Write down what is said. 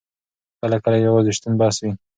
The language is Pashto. کله کله یوازې شتون بس وي.